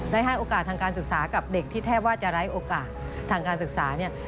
ให้โอกาสทางการศึกษากับเด็กที่แทบว่าจะไร้โอกาสทางการศึกษาเนี่ย